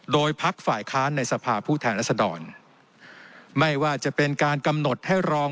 โดยพักฝ่ายค้านในสภาพผู้แทนรัศดรไม่ว่าจะเป็นการกำหนดให้รอง